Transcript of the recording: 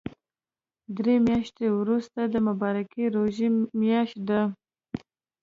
دري مياشتی ورسته د مبارکی ژوری مياشت ده